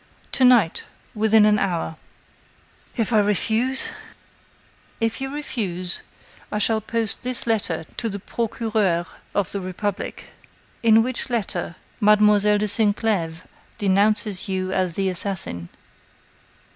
"To night within an hour." "If I refuse?" "If you refuse, I shall post this letter to the Procureur of the Republic; in which letter Mademoiselle de Sinclèves denounces you as the assassin."